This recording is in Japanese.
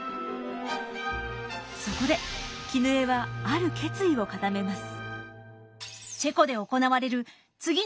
そこで絹枝はある決意を固めます。